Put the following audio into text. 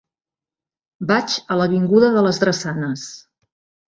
Vaig a l'avinguda de les Drassanes.